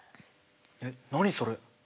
えっ何それ？これ？